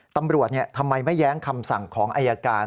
ทำไมไม่แย้งคำสั่งของอายการ